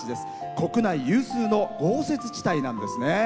国内有数の豪雪地帯なんですね。